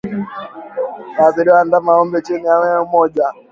Huathiri ndama wa umri wa chini ya mwezi mmoja